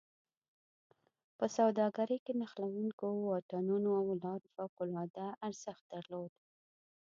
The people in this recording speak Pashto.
په سوداګرۍ کې نښلوونکو واټونو او لارو فوق العاده ارزښت درلوده.